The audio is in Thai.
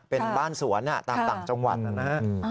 เป็นบ้านสวนตามต่างจังหวัดนะฮะ